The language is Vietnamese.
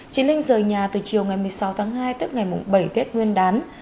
chị linh rời nhà từ chiều ngày một mươi sáu tháng hai tức ngày bảy tết nguyên đán